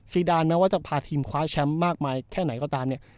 ดานแม้ว่าจะพาทีมคว้าแชมป์มากมายแค่ไหนก็ตามเนี่ย